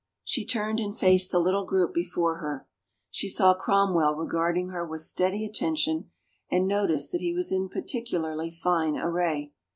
She turned and faced the little group before her. She saw Cromwell regarding her with steady attention and noticed that he was in particularly fine array.